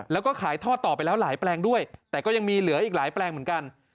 แล้วก็ขายทอดต่อไปแล้วหลายแปลงด้วยแต่ก็ยังมีเหลืออีกหลายแปลงเหมือนกัน